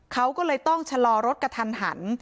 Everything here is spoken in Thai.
เขาก็เลยต้องชะลอรถกระทันหัน